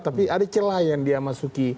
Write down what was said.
tapi ada celah yang dia masuki